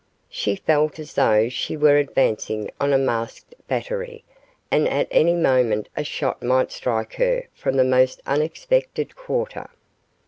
She felt as though she were advancing on a masked battery, and at any moment a shot might strike her from the most unexpected quarter.